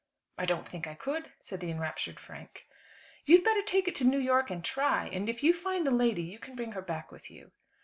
"I don't think I could," said the enraptured Frank. "You'd better take it to New York and try, and if you find the lady you can bring her back with you."